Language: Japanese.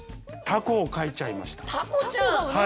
タコを描いちゃいました。